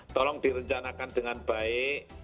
tolong direncanakan dengan baik